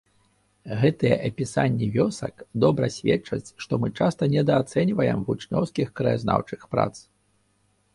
Гэтыя апісанні вёсак добра сведчаць, што мы часта недаацэньваем вучнёўскіх краязнаўчых прац.